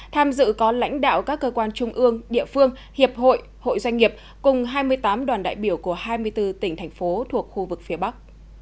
tham dự có lãnh đạo các cơ quan trung ương địa phương hiệp hội hội doanh nghiệp cùng hai mươi tám đoàn đại biểu của hai mươi bốn tỉnh thành phố thuộc khu vực phía bắc